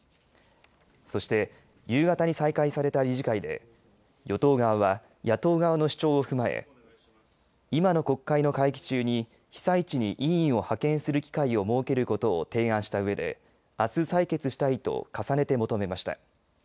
そして、夕方に再開された理事会で与党側は野党側の主張を踏まえ今の国会の会期中に被災地に委員を派遣する機会を設けることを提案したうえであす採決したいと重ねて求めました。